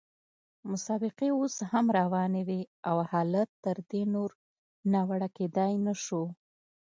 مسابقې اوس هم روانې وې او حالت تر دې نور ناوړه کېدای نه شو.